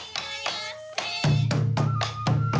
สวัสดีครับ